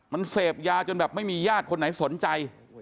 มันเสพยาจนแบบไม่มีญาติคนไหนสนใจ